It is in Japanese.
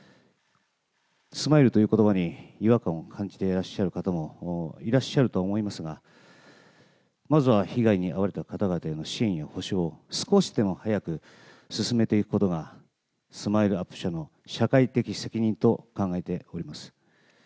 スマイルということばに違和感を感じていらっしゃる方もいらっしゃるとは思いますが、まずは、被害に遭われた方々への支援や補償を少しでも早く進めていくことが、スマイルアップ社の社会的責任と考えております。